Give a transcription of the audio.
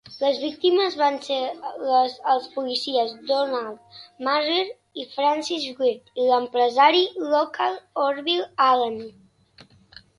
Les víctimes van ser els policies Donald Marler i Francis Wirt i l'empresari local Orville Allen.